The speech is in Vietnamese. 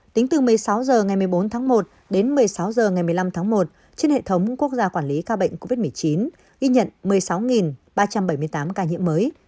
tính từ một mươi sáu h ngày một mươi bốn tháng một đến một mươi sáu h ngày một mươi năm tháng một trên hệ thống quốc gia quản lý ca bệnh covid một mươi chín ghi nhận một mươi sáu ba trăm bảy mươi tám ca nhiễm mới